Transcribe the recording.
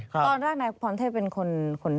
ตอนนั้นนายพรณเทพเป็นคน